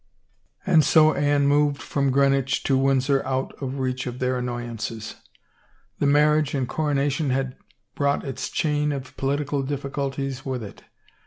And so Anne moved from Greenwich to Windsor out of reach of their annoyances. The marriage and coronation had brought its chain of political difficulties with it.